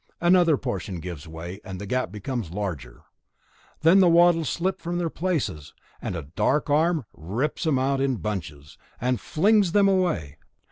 another portion gives way, and the gap becomes larger. Then the wattles slip from their places, and a dark arm rips them out in bunches, and flings them away.